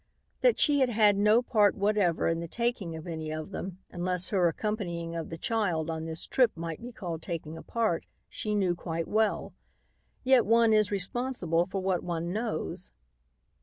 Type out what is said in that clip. That she had had no part whatever in the taking of any of them, unless her accompanying of the child on this trip might be called taking a part, she knew quite well. Yet one is responsible for what one knows.